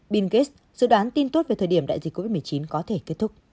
bill gates dự đoán tin tốt về thời điểm đại dịch covid một mươi chín có thể kết thúc